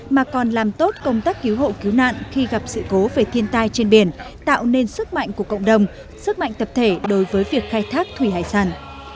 mà còn làm tốt công tác cứu hộ cứu nạn khi gặp sự cố về thiên tai trên biển tạo nên sức mạnh của cộng đồng sức mạnh tập thể đối với việc khai thác thủy hải sản